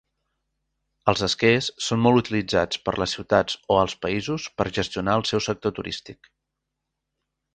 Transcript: Els esquers són molt utilitzats per les ciutats o els països per gestionar el seu sector turístic.